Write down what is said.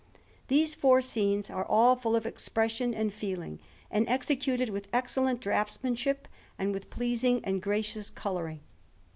These four scenes are all full of expression and feeling, and executed with excellent draughtsmanship, and with pleasing and gracious colouring.